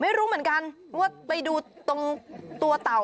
ไม่รู้เหมือนกันว่าไปดูตรงตัวเต่า